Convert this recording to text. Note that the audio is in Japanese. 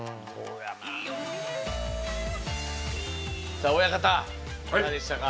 さあ親方いかがでしたか？